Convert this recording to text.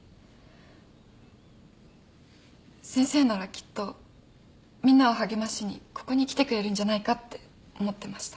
先生ならきっとみんなを励ましにここに来てくれるんじゃないかって思ってました。